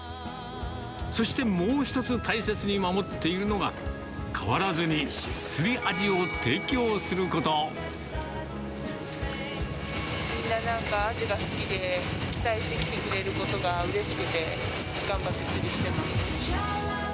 そして、もう一つ大切に守っているのが、変わらずに釣りアジを提みんななんかアジが好きで、期待して来てくれることがうれしくて、頑張って釣りしてます。